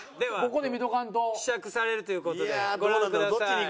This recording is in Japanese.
では試着されるという事でご覧ください。